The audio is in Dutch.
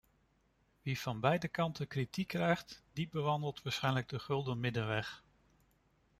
Wie van beide kanten kritiek krijgt, die bewandelt waarschijnlijk de gulden middenweg.